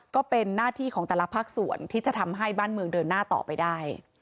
ก็เป็นหน้าที่ของแต่ละภาคส่วนที่จะทำให้บ้านเมืองเดินหน้าต่อไปได้